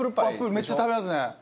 めっちゃ食べますね。